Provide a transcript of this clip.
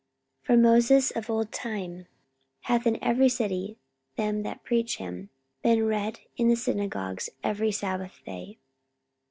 44:015:021 For Moses of old time hath in every city them that preach him, being read in the synagogues every sabbath day.